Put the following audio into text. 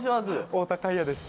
太田海也です。